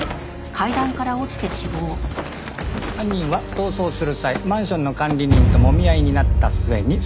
犯人は逃走する際マンションの管理人ともみ合いになった末に殺害。